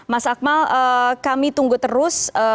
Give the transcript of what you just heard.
mas akmal kami tunggu terus